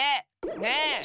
ねえ！